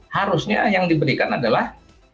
harusnya yang diberikan adalah